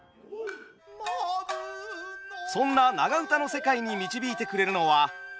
そんな長唄の世界に導いてくれるのは東音味見純さん。